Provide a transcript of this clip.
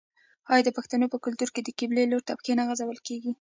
آیا د پښتنو په کلتور کې د قبلې لوري ته پښې نه غځول کیږي؟